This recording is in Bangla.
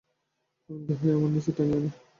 কারণ দেহই আমাদের নীচে টানিয়া আনে।